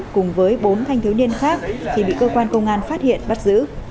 cùng với bốn thanh thiếu niên khác khi bị công an phát hiện bắt giữ